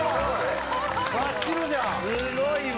すごいわ！